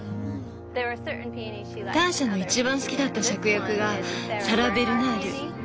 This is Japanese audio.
ターシャの一番好きだったシャクヤクがサラベルナール。